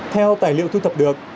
theo tài liệu thu thập được